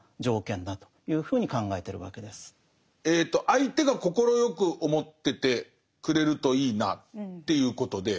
相手が快く思っててくれるといいなっていうことで。